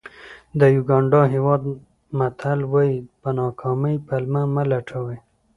د یوګانډا هېواد متل وایي په ناکامۍ پلمه مه لټوئ.